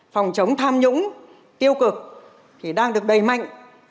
phòng chống tham nhũng tiêu cực thì đang được đầy mạnh